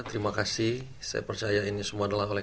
terima kasih saya percaya ini semua adalah oleh